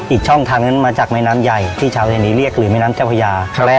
อีกช่องทางนั้นมาจากแม่น้ำใหญ่ที่ชาวไทยลีเรียกหรือแม่น้ำเจ้าพญา